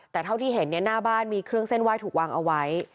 แต่เท่าที่เห็นหน้าบ้านมีเครื่องเส้นไหว้ถูกวางเอาไว้